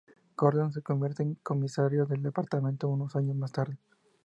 Gordon se convierte en comisario del departamento unos años más tarde.